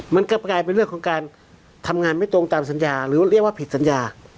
มันก็กลายเป็นเรื่องของการทำงานไม่ตรงตามสัญญาหรือเรียกว่าผิดสัญญา